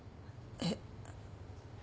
えっ？